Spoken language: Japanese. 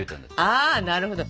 ああなるほど！